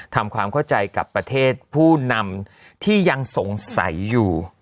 ทำความเข้าใจกับประเทศผู้นำที่ยังสงสัยอยู่